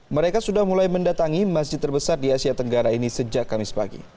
mereka sudah mulai mendatangi masjid terbesar di asia tenggara ini sejak kamis pagi